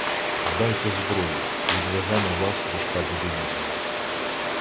— Здайте зброю, відведемо вас до штабу дивізії.